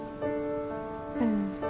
うん。